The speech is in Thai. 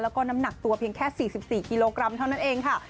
แล้วก็น้ำหนักตัวเพียงแค่๔๔กิโลกรัมเท่านั้นเองค่ะ